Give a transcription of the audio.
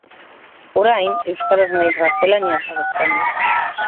Orain, euskaraz nahiz gaztelaniaz abesten du.